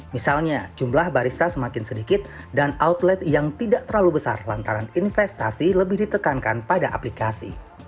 misalnya jumlah barista semakin sedikit dan outlet yang tidak terlalu besar lantaran investasi lebih ditekankan pada aplikasi